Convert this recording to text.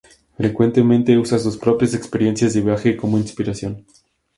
Frecuentemente usas sus propias experiencias de viaje como inspiración.